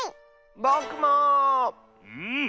うん。